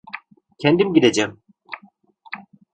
Kendim gideceğim.